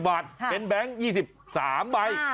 บาทเป็นแบงค์๒๓ใบ